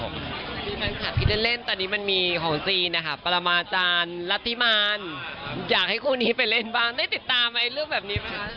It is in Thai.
ครับพี่คะครับพี่จะเล่นตอนนี้มันมีของจีนปรมาจารย์ลัทธิมานอยากให้คู่นี้ไปเล่นบ้างได้ติดตามไหมรื่องแบบนี้หรือเปล่ากัน